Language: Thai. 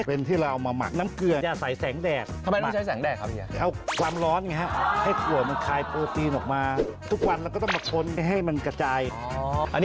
เอาปูนเอาอะไรไว้ปุดด้วยนะครับฮ่า